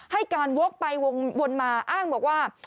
ให้การวกไปวนมาอ้างบอกว่า